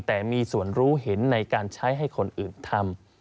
แต่มีส่วนรู้เห็นในการใช้ให้คนอื่นทำ